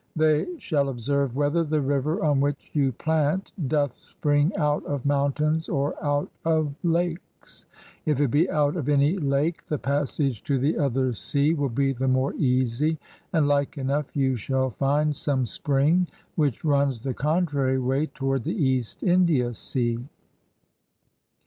They shall observe "" whether the river on which you plant doth spring out of mountains or out of lakes. If it be out of any lake the passage to the other sea will be the more easy, and like enough ••• you shall find some spring which runs the contrary way toward the East India sea.''